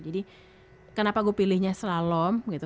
jadi kenapa gue pilihnya salom gitu